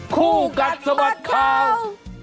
คู่กัดสมัครข่าวคู่กัดสมัครข่าว